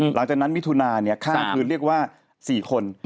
หลังจากนั้นวิทุนาฆ่าคือเรียกว่า๔คน